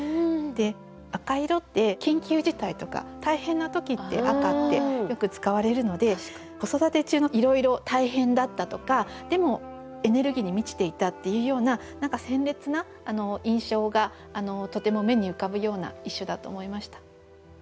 赤い色って緊急事態とか大変な時って赤ってよく使われるので子育て中のいろいろ大変だったとかでもエネルギーに満ちていたっていうような何か鮮烈な印象がとても目に浮かぶような一首だと思いました。